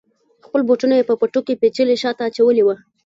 خپل بوټونه یې په پټو کې پیچلي شاته اچولي وه.